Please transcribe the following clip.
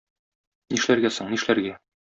Нишләргә соң, нишләргә?